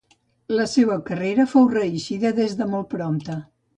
La seua carrera fou reeixida des de molt prompte.